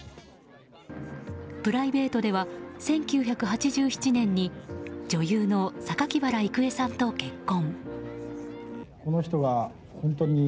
プライベートでは１９８７年に女優の榊原郁恵さんと結婚。